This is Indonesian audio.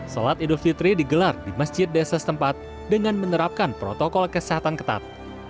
sholat idul fitri digelar di masjid desa setempat dengan menerapkan protokol kesehatan ketat